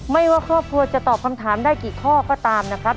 ว่าครอบครัวจะตอบคำถามได้กี่ข้อก็ตามนะครับ